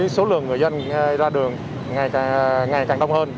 số lượng người dân ra đường ngày càng đông hơn